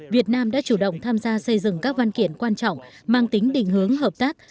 việt nam đã chủ động tham gia xây dựng các văn kiện quan trọng mang tính định hướng hợp tác